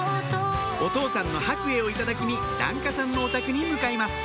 お父さんの白衣を頂きに檀家さんのお宅に向かいます